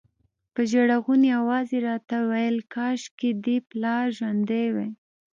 په ژړغوني اواز یې راته ویل کاشکې دې پلار ژوندی وای.